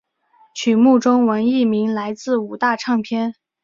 曲目中文译名来自五大唱片。